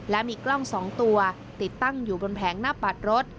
และมีกล้อง๒ตัวติดตั้งอยู่บนแผงหน้าปัดรถ